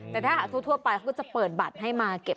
แต่ถ้าหากทั่วไปเขาก็จะเปิดบัตรให้มาเก็บ